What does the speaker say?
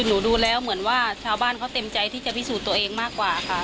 ดูแล้วเหมือนว่าชาวบ้านเขาเต็มใจที่จะพิสูจน์ตัวเองมากกว่าค่ะ